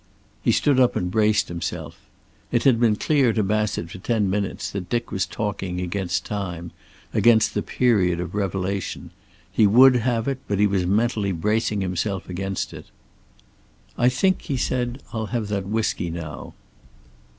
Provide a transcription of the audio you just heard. He stood up and braced himself. It had been clear to Bassett for ten minutes that Dick was talking against time, against the period of revelation. He would have it, but he was mentally bracing himself against it. "I think," he said, "I'll have that whisky now."